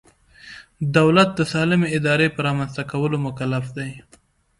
دولت د سالمې ادارې په رامنځته کولو مکلف دی.